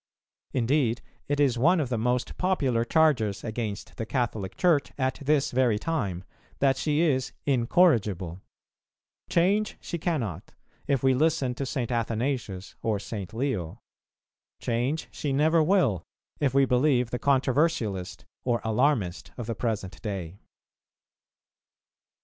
Indeed it is one of the most popular charges against the Catholic Church at this very time, that she is "incorrigible;" change she cannot, if we listen to St. Athanasius or St. Leo; change she never will, if we believe the controversialist or alarmist of the present day.